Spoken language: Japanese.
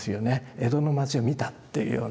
江戸の町を見たっていうような。